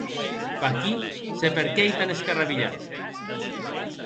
Vaquí se per qué ei tan escarrabilhat.